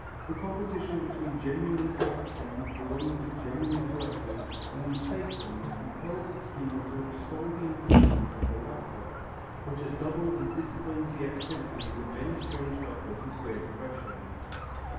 The competition between genuine collections belonging to genuine collectors and these faked ones impels the schemer to extol the importance of the latter, which has doubled and disciplined the activities of many strange helpers and queer professions.